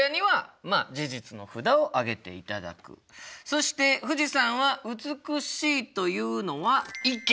そして富士山は美しいというのは意見。